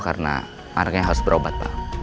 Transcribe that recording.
karena anaknya harus berobat pak